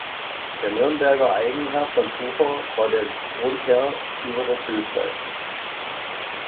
Der Nürnberger Eigenherr von Tucher war der Grundherr über das Höflein.